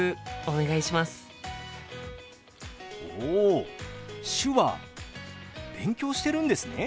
お手話勉強してるんですね。